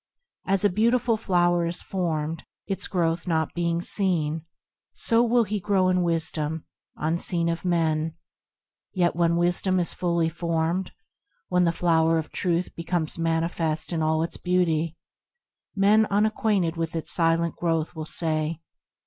As a beautiful flower is formed, its growth not being seen, So will he grow in wisdom, unseen of men. Yet when wisdom is fully formed, When the flower of Truth becomes manifest in all its beauty, Men unacquainted with its silent growth will say.